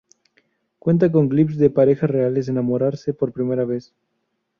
Cuenta con clips de parejas reales enamorarse por primera vez.